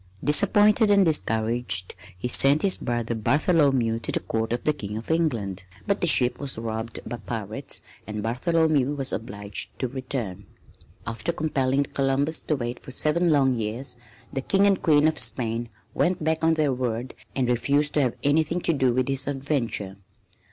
Disappointed and discouraged he sent his brother Bartholomew to the Court of the King of England, but the ship was robbed by pirates and Bartholomew was obliged to return. After compelling Columbus to wait for seven long years, the King and Queen of Spain went back on their word and refused to have anything to do with his adventure.